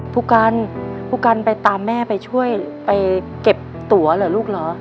ภุกรรณภุกรรณไปตามแม่ไปช่วยไปเก็บตั๋วเหรอลูกล่ะ